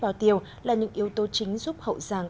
bao tiêu là những yếu tố chính giúp hậu giang